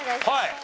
はい。